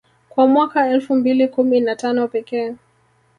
Kwa mwaka elfu mbili kumi na tano pekee